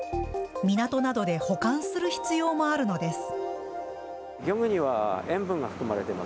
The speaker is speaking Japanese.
港などで保管する必要もあるのです。